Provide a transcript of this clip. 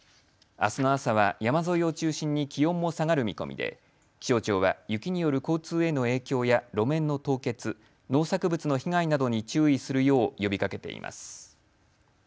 あすの朝は山沿いを中心に気温も下がる見込みで気象庁は雪による交通への影響や路面の凍結、農作物の被害などに注意するよう呼びかけています。